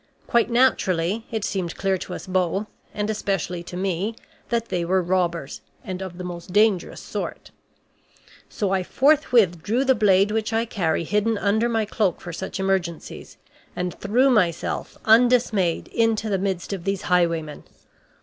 Quite naturally, it seemed clear to us both, and especially to me, that they were robbers, and of the most dangerous sort. So I forthwith drew the blade which I carry hidden under my cloak for such emergencies, and threw myself, undismayed, into the midst of these highwaymen.